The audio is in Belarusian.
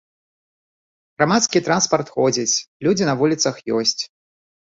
Грамадскі транспарт ходзіць, людзі на вуліцах ёсць.